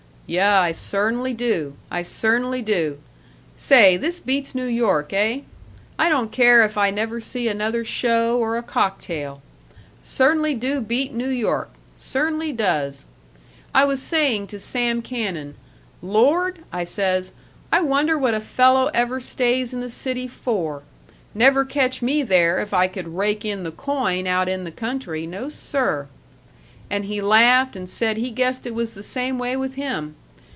"Yuh, I cer'nly do; I cer'nly do. Say, this beats New York, eh? I don't care if I never see another show or a cocktail. Cer'nly do beat New York. Cer'nly does! I was saying to Sam Cannon, 'Lord,' I says, 'I wonder what a fellow ever stays in the city for; never catch me there if I could rake in the coin out in the country, no, sir!' And he laughed and said he guessed it was the same way with him.